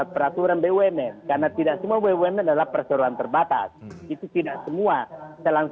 peraturan bum karena tidak semua bum adalah perseruan terbatas itu tidak semua telah